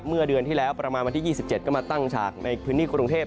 เมื่อเดือนที่แล้วประมาณวันที่๒๗ก็มาตั้งฉากในพื้นที่กรุงเทพ